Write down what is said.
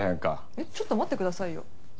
えっちょっと待ってくださいよ。